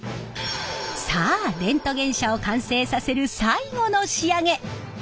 さあレントゲン車を完成させる最後の仕上げ！